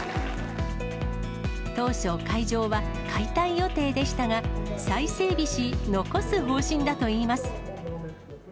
当初、会場は解体予定でしたが、再整備し、残す方針だといいます。